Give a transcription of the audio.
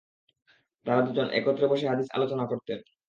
তারা দুজন একত্রে বসে হাদীস আলোচনা করতেন।